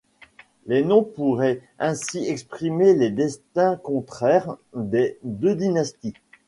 Les noms pourraient ainsi exprimer les destins contraires des deux dynasties.